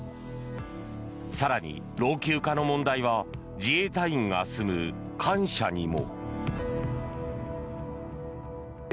更に、老朽化の問題は自衛隊員が住む官舎にも。